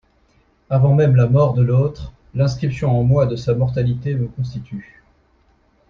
Avant même la mort de l'autre, l'inscription en moi de sa mortalité me constitue.